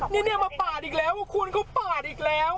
นี่มาปาดอีกแล้วคุณเขาปาดอีกแล้ว